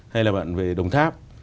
hay là bạn về đồng tháp